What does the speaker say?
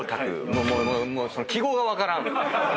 もうもう記号が分からん！